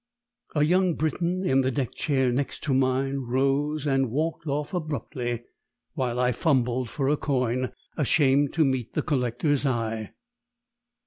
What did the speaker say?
A young Briton in the deck chair next to mine rose and walked off abruptly, while I fumbled for a coin, ashamed to meet the collector's eye.